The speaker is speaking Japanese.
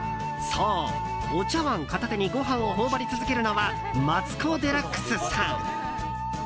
そう、お茶碗片手にご飯を頬張り続けるのはマツコ・デラックスさん。